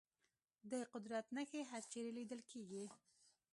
د قدرت نښې هرچېرې لیدل کېږي.